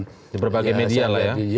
di berbagai media lah ya